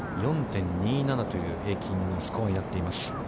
４．２７という、平均スコアになっています。